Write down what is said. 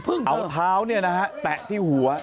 เอาเท้าแตะที่หัว